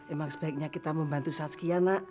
emang sebaiknya kita membantu saskian nak